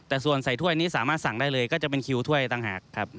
แต่ส่วนใส่ถ้วยนี้สามารถสั่งได้เลยก็จะเป็นคิวถ้วยต่างหากครับ